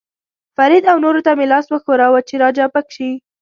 فرید او نورو ته مې لاس وښوراوه، چې را چابک شي.